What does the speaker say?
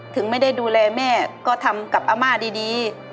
ถึงไม่ได้ดูแลแม่ก็ทำกับอาม่าดี